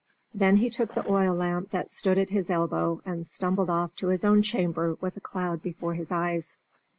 Then he took the oil lamp that stood at his elbow and stumbled off to his own chamber with a cloud before his eyes.